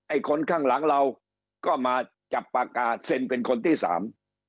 คนข้างหลังเราก็มาจับปากกาศเซ็นเป็นคนที่สาม